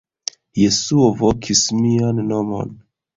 Jesuo vokis mian nomon.